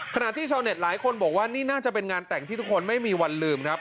ขณะที่ชาวเน็ตหลายคนบอกว่านี่น่าจะเป็นงานแต่งที่ทุกคนไม่มีวันลืมครับ